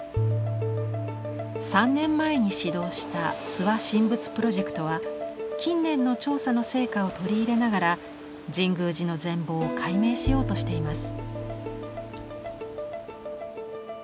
３年前に始動した「諏訪神仏プロジェクト」は近年の調査の成果を取り入れながら神宮寺の全貌を解明しようとしています。